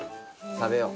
食べよう。